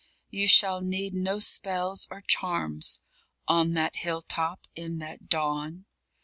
_ You shall need no spells or charms On that hill top, in that dawn.